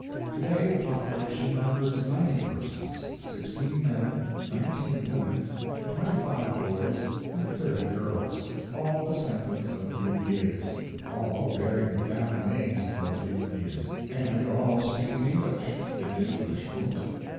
To day the population numbers ninety persons sixteen men, nineteen women, twenty five boys, and thirty girls all descendants of the mutineers, all bearing the family names of those mutineers, and all speaking English, and English only.